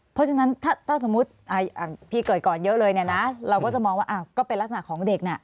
เพราะฉะนั้นถ้าสมมุติพี่เกิดก่อนเยอะเลยเนี่ยนะเราก็จะมองว่าก็เป็นลักษณะของเด็กน่ะ